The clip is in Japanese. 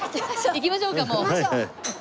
行きましょうかもう。